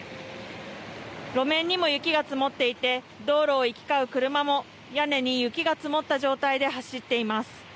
路面にも雪が積もっていて道路を行き交う車も屋根に雪が積もった状態で走っています。